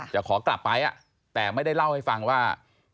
จะขอกลับไปแต่ไม่ได้เล่าให้ฟังว่า